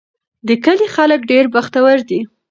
د کلي خلک ډېر بختور دي.